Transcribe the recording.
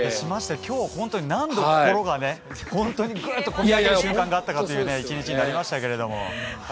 今日本当に何度、心がぐっとこみ上げる瞬間があったんだという１日になりましたけれども。